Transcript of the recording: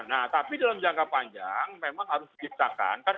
nah tapi dalam jangka panjang memang harus diciptakan